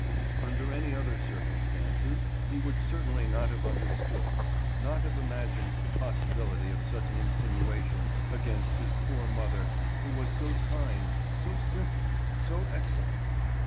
Under any other circumstances he would certainly not have understood, not have imagined the possibility of such an insinuation against his poor mother, who was so kind, so simple, so excellent.